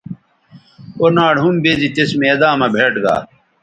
او ناڑ ھم بیزی تس میداں مہ بھیٹ گا